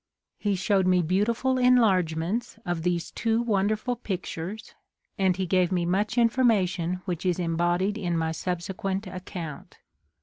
He showed me beautiful enlargements of these two wonderful pictures, and he gave me much information which is embodied in my subsequent account.